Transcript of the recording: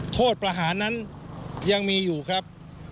โทษประหารนั้นยังมีอยู่ครับ